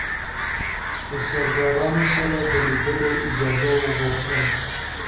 د سردارانو سره د لیدلو اجازه وغوښتل.